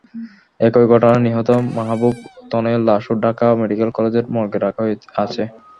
একই ঘটনায় নিহত মাহবুব তনয়ের লাশও ঢাকা মেডিকেল কলেজের মর্গে রাখা আছে।